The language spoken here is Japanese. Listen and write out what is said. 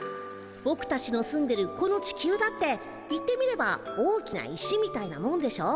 ぼくたちの住んでるこの地球だっていってみれば大きな石みたいなもんでしょ？